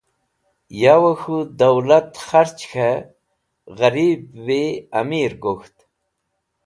Yawẽ k̃hũ dowlat kharch kẽ ghẽribvi amir gok̃ht.